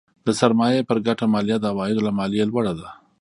د سرمایې پر ګټه مالیه د عوایدو له مالیې لوړه ده.